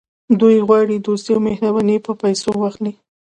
دوی غواړي دوستي او مهرباني په پیسو واخلي.